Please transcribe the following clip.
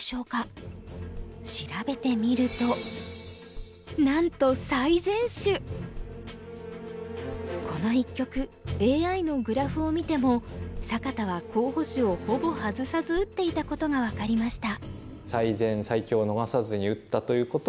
調べてみるとなんとこの一局ＡＩのグラフを見ても坂田は候補手をほぼ外さず打っていたことが分かりました。